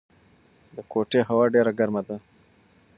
د کوټې هوا ډېره ګرمه ده.